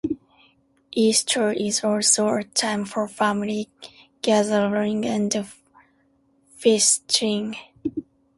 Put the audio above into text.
Easter is also a time for family gatherings and feasting.